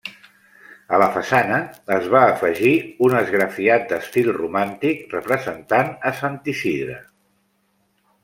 A la façana es va afegir un esgrafiat d'estil romàntic representant a Sant Isidre.